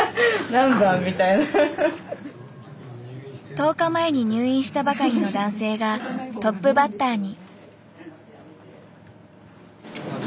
１０日前に入院したばかりの男性がトップバッターに。